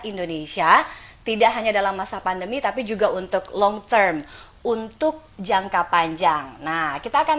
indonesia tidak hanya dalam masa pandemi tapi juga untuk long term untuk jangka panjang nah kita akan